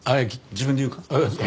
自分で言うか？